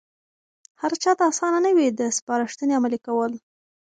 هرچاته آسانه نه وي د سپارښتنې عملي کول.